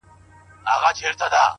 دښاغلی جهانی صاحب دغه شعر !